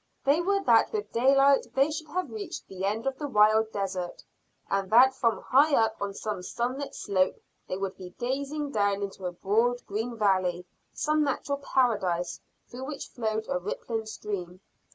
They were that with daylight they should have reached the end of the wild desert, and that from high up on some sunlit slope they would be gazing down into a broad green valley some natural paradise through which flowed a rippling stream.